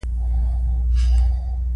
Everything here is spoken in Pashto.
خطر د تل لپاره لیري کړ.